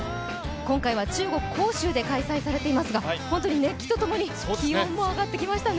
今回は中国・杭州で開催されていますが熱気とともに気温も上がってきましたね。